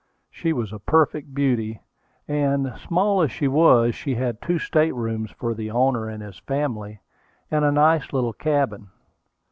She was a perfect beauty, and, small as she was, she had two state rooms for the owner and his family, and a nice little cabin.